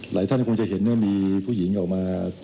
หลายท่านคงจะเห็นเนี่ยมีผู้หญิงออกมา